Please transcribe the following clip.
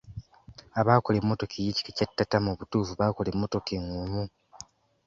Abaakola emmotoka ey'ekika kya Tata mu butuufu baakola emmotoka engumu.